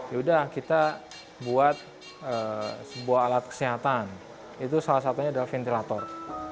yaudah kita buat sebuah alat kesehatan itu salah satunya adalah ventilator